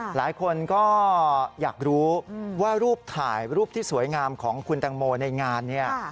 หลายคนก็อยากรู้ว่ารูปถ่ายรูปที่สวยงามของคุณแตงโมในงานเนี่ย